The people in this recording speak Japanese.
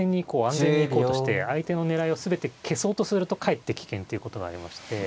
安全に行こうとして相手の狙いを全て消そうとするとかえって危険ということがありまして。